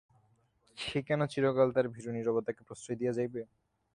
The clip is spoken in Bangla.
সে কেন চিরকাল তার ভীরু নীরবতাকে প্রশ্রয় দিয়া যাইবে?